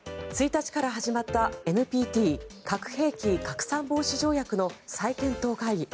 １日から始まったＮＰＴ・核兵器拡散防止条約の再検討会議。